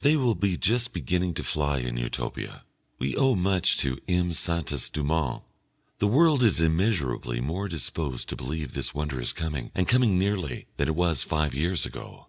They will be just beginning to fly in Utopia. We owe much to M. Santos Dumont; the world is immeasurably more disposed to believe this wonder is coming, and coming nearly, than it was five years ago.